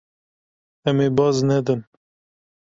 Em ê baz nedin.